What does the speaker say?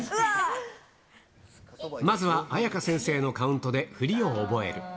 まずはＡＹＡＫＡ先生のカウントで振りを覚える。